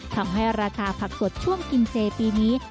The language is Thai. ทำให้ราคาผักสดช่วงกินเจปีนี้